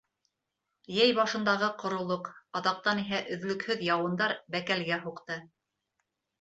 Йәй башындағы ҡоролоҡ, аҙаҡтан иһә өҙлөкһөҙ яуындар бәкәлгә һуҡты.